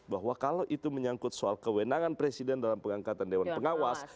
bahwa kalau itu menyangkut soal kewenangan presiden dalam pengangkatan dewan pengawas